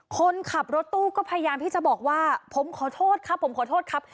คนขับรถตู้ก็พยายามที่จะบอกว่าผมขอโทษครับผมขอโทษครับ